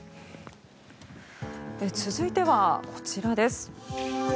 続いてはこちらです。